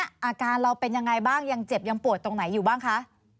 อาการเราเป็นยังไงบ้างยังเจ็บยังปวดตรงไหนอยู่บ้างคะ